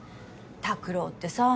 拓郎ってさ